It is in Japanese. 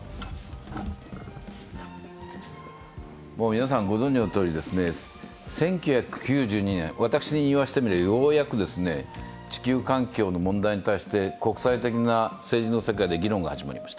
皆さんご存じのとおり１９９２年、私に言わせてみれば、ようやく地球環境の問題に対して国際的な政治の世界で議論が始まりました。